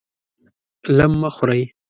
لم مه خورئ!